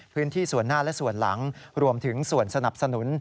พื้นที่ส่วนหน้าและส่วนหลังรวมถึงส่วนสนับสนุน